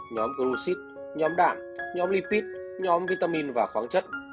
nhóm glucid nhóm đạm nhóm lipid nhóm vitamin và khoáng chất